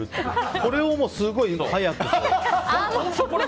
これをすごい速く。